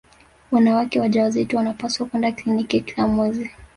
wanawake wajawazito wanapaswa kwenda kliniki kila mwezi